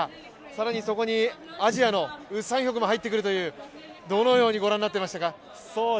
更にそこにアジアのウ・サンヒョクも入ってくるという、どのように御覧になっていましたか。